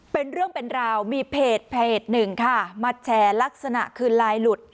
เป็นเรื่องเป็นราวมีเพจหนึ่งค่ะมาแชร์ลักษณะคือไลน์หลุด